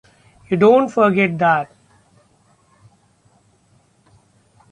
You don't forget that.